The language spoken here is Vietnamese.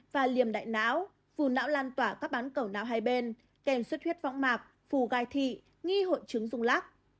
và liềm đại não phù não lan tỏa các bán cổ não hai bên kèm suất huyết võng mạc phù gai thị nghi hội chứng dung lắc